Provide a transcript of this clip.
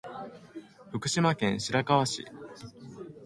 福島県白河市